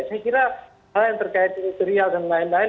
saya kira hal yang terkait teritorial dan lain lain